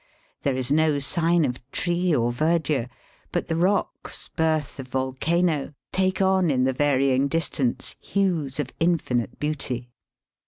There is no sign of tree or* verdure, but the rocks^ birth of volcano, take on in the varying distance hues of infinite beauty.